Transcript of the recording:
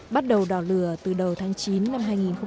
bắt đầu đỏ lửa từ đầu tháng chín năm hai nghìn một mươi chín